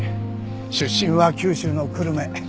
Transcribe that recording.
出身は九州の久留米。